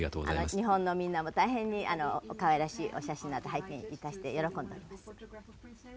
日本のみんなも大変に可愛らしいお写真など拝見致して喜んでおります。